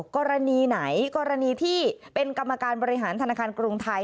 กรณีไหนกรณีที่เป็นกรรมการบริหารธนาคารกรุงไทย